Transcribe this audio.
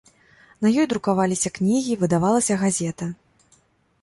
На ёй друкаваліся кнігі, выдавалася газета.